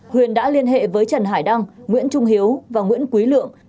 huyền đã liên hệ với trần hải đăng nguyễn trung hiếu và nguyễn quý lượng